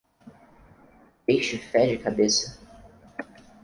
O peixe fede a cabeça.